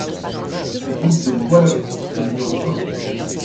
Route de Goaleuc au numéro un